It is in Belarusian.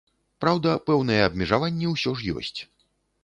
Праўда, пэўныя абмежаванні ўсё ж ёсць.